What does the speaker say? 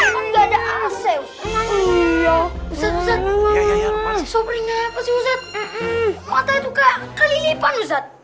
mata juga kelipan